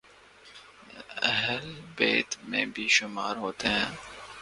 اہل بیت میں بھی شمار ہوتے ہیں